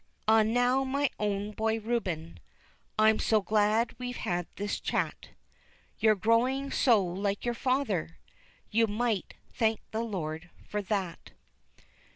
Ah, now my own boy, Reuben, I'm so glad we've had this chat, You're growing so like your father You might thank the Lord for that.